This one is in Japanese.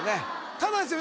ただですよ